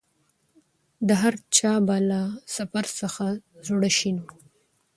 د هرچا به له سفر څخه زړه شین وو